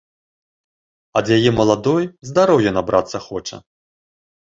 Ад яе, маладой, здароўя набрацца хоча.